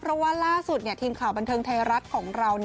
เพราะว่าล่าสุดทีมข่าวบันเทิงไทยรัฐของเรา